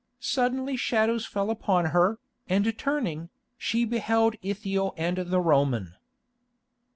Suddenly shadows fell upon her, and turning, she beheld Ithiel and the Roman.